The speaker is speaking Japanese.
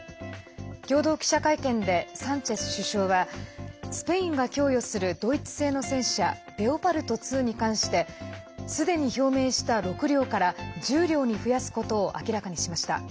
共同記者会見でサンチェス首相はスペインが供与するドイツ製の戦車レオパルト２に関してすでに表明した６両から１０両に増やすことを明らかにしました。